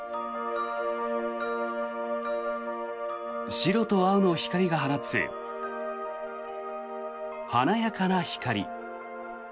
白と青の光が放つ華やかな光。